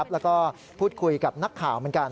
แล้วก็พูดคุยกับนักข่าวเหมือนกัน